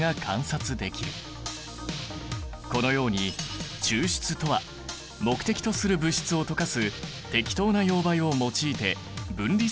このように抽出とは目的とする物質を溶かす適当な溶媒を用いて分離する操作のこと。